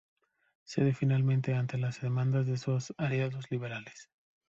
Cede finalmente ante las demandas de sus aliados liberales.